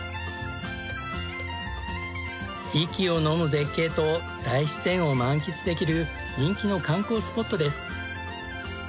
息をのむ絶景と大自然を満喫できる人気の観光スポットです。